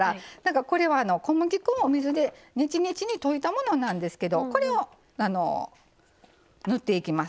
これは小麦粉を水でねちねちに溶いたものなんですけどこれを塗っていきます。